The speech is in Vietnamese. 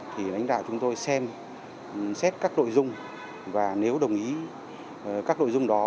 thì lãnh đạo chúng tôi xem xét các nội dung và nếu đồng ý các nội dung đó